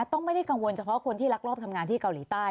ต้องไม่ได้กังวลเฉพาะคนที่รักรอบทำงานที่เกาหลีใต้